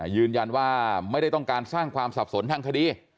ยืนยันว่าไม่ได้ต้องการสร้างความสับสนทางคดี